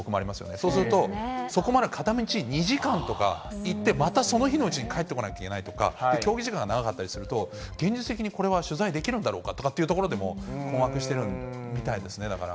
そうすると、そこまで片道２時間とか行ってまたその日のうちに帰ってこなきゃいけないとか、競技時間がかかったりすると、現実的にこれは取材できるんだろうかっていうところでも困惑してるみたいですね、だから。